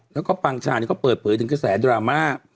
แล้วก็ปางชาก็เปิดเผยถึงกระแสดราม่า